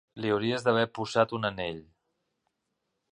Li hauries d'haver posat un anell.